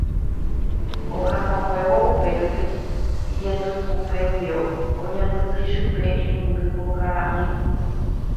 ohasakuévo upérupi ijatukupéguio oñapytĩ chupe irundy mbokara'ỹi.